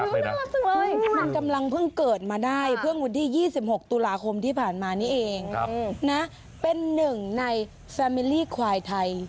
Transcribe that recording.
น่ารักจังเลยมันกำลังเพิ่งเกิดมาได้เพิ่งวันที่๒๖ตุลาคมที่ผ่านมานี่เองนะเป็นหนึ่งในแซมมิลลี่ควายไทย